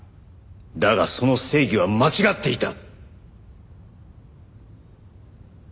だがその正義は間違っていた。